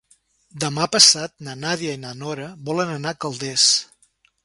Demà passat na Nàdia i na Nora volen anar a Calders.